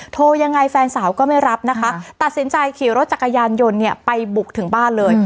ยังไงแฟนสาวก็ไม่รับนะคะตัดสินใจขี่รถจักรยานยนต์เนี่ยไปบุกถึงบ้านเลย